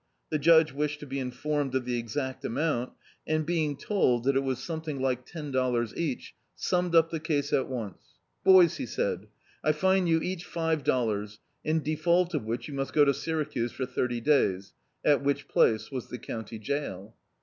The judge wished to be informed of the exact amount, and being told that it was something IS7] D,i.,.db, Google The Autobiography of a Super Tramp like ten dollars each, summed up the case at once. "Boys," he said, "I fine you each five dollars, in de fault of which you must go to Syracuse for thirty days" — at which place was the county jail.